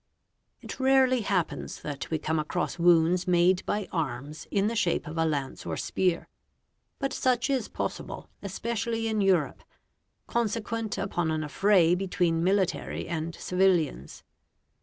. a It rarely happens that we come across wounds made by arms in th , shape of a lance or spear. But such is possible, especially in Europe, consequent upon an affray between military and civilians.